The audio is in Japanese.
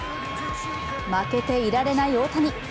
負けていられない、大谷。